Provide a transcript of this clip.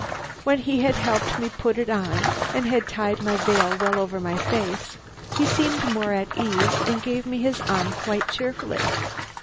When he had helped me to put it on and had tied my veil well over my face, he seemed more at his ease and gave me his arm quite cheerfully.